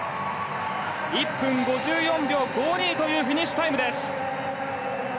１分５４秒５２というフィニッシュタイムです。